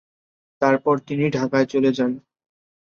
তারপর তিনি ঢাকায় চলে যান।